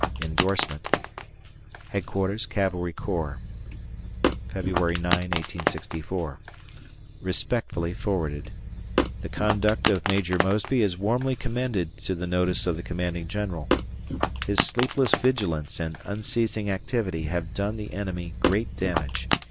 [Indorsement] Headquarters Cavalry Corps, Respectfully forwarded. February 9, 1864. The conduct of Major Mosby is warmly commended to the notice of the commanding general. His sleepless vigilance and unceasing activity have done the enemy great damage.